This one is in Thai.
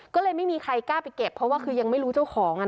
ก็เลยไม่มีใครกล้าไปเก็บเพราะว่าคือยังไม่รู้เจ้าของ